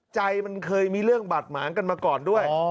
ใจมันเคยมีเรื่องบาดหมางกันมาก่อนด้วย